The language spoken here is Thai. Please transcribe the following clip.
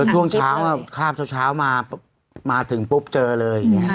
ช่วงเช้าข้ามเช้ามาถึงปุ๊บเจอเลย